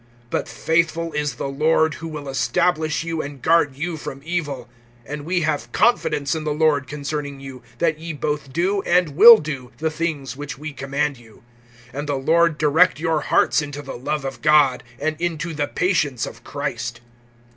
(3)But faithful is the Lord, who will establish you, and guard you from evil[3:3]. (4)And we have confidence in the Lord concerning you, that ye both do, and will do, the things which we command you. (5)And the Lord direct your hearts into the love of God, and into the patience of Christ.